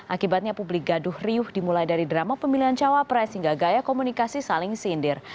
akibatnya publik gaduh riuh dimulai dari drama pemilihan cawapres hingga gaya komunikasi saling sindir